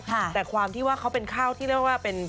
แต่ความที่ว่าเขาเป็นข้าวที่เรียกว่าเป็น